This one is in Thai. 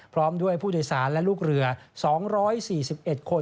พร้อมด้วยผู้โดยสารและลูกเรือ๒๔๑คน